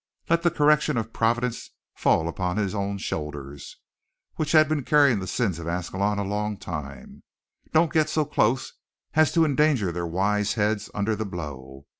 Let the correction of Providence fall on his own shoulders, which had been carrying the sins of Ascalon a long time; don't get so close as to endanger their wise heads under the blow.